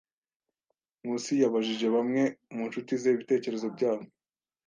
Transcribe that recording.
Nkusi yabajije bamwe mu nshuti ze ibitekerezo byabo.